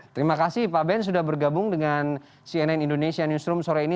terima kasih pak ben sudah bergabung dengan cnn indonesia newsroom sore ini